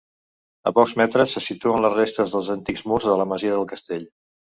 A pocs metres se situen les restes dels antics murs de la masia del castell.